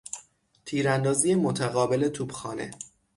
تیراندازی متقابل توپخانه